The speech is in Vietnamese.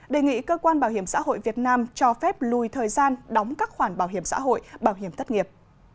đề nghị cơ quan bảo hiểm xã hội việt nam cho phép lùi thời gian đóng các khoản bảo hiểm xã hội bảo hiểm thất nghiệp